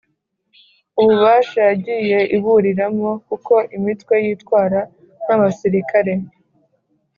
Ububasha yagiye iburiramo kuko imitwe yitwara nk abasirikare